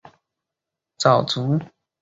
袁侃早卒。